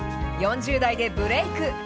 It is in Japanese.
４０代でブレーク。